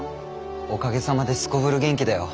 おかげさまですこぶる元気だよ。